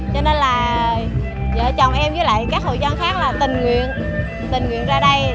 cho nên là vợ chồng em với các hội dân khác tình nguyện ra đây